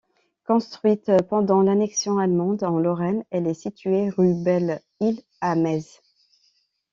Construite pendant l’annexion allemande en Lorraine, elle est située rue Belle-Isle à Metz.